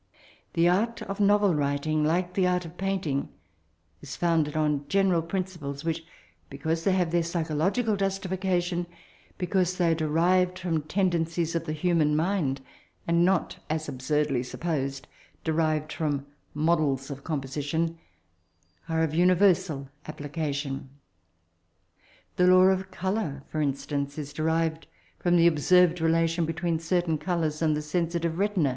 The art of novel writing, like the art of paint ing, is founded on general principles, which, because they have their pys chological justification, because they are derived from tendencies of the human mind, and not, as absurdly supposed, derived f^om ^^ models of composition," are of universal ap plication. The law of colour, for in* stance, is derived from the observed relation between certain colours and the sensitive retina.